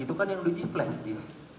itu kan yang diuji flashdisk